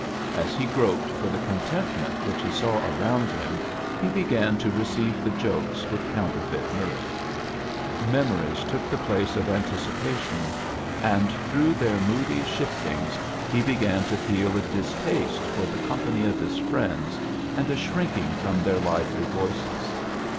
As he groped for the con tentment which he saw around him he be gan to receive the jokes with counterfeit mirth. Memories took the place of antic ipation, and throt^h their moody sbift in£8 he began to feel a distaste for the com pany of his friends and a shrinking from their lively voices.